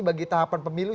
bagi tahapan pemilu